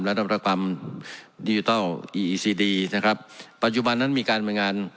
และนวัตกรรมนะครับปัจจุบันนั้นมีการบรรยายงาน